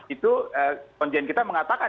itu konjeng kita mengatakan